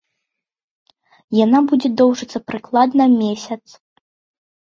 Яна будзе доўжыцца прыкладна месяц.